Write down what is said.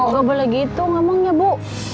gak boleh gitu ngomongnya bu